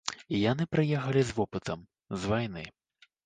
Яны прыехалі з вопытам, з вайны.